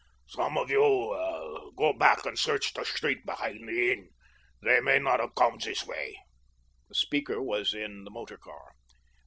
"Some of you go back and search the street behind the inn—they may not have come this way." The speaker was in the motor car.